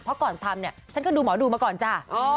เพราะก่อนทำเนี่ยฉันก็ดูหมอดูมาก่อนจ้ะ